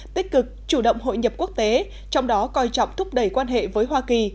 tích cực chủ động hội nhập quốc tế trong đó coi trọng thúc đẩy quan hệ với hoa kỳ